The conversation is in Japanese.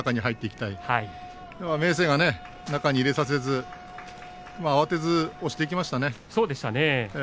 きょうは明生が中に入れさせず慌てないようしていきましたね。